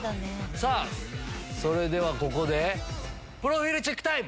さあ、それではここで、プロフィールチェックタイム！